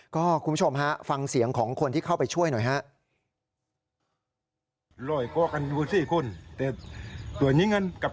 คุณผู้ชมฮะฟังเสียงของคนที่เข้าไปช่วยหน่อยฮะ